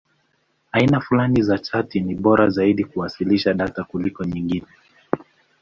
Aina fulani za chati ni bora zaidi kwa kuwasilisha data kuliko nyingine.